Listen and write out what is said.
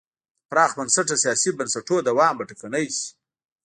د پراخ بنسټه سیاسي بنسټونو دوام به ټکنی شي.